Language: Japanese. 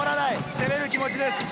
攻める気持ちです。